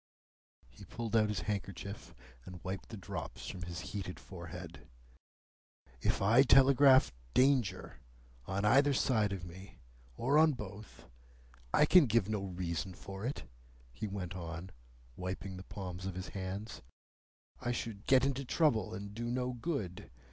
He pulled out his handkerchief, and wiped the drops from his heated forehead. "If I telegraph Danger, on either side of me, or on both, I can give no reason for it," he went on, wiping the palms of his hands. "I should get into trouble, and do no good.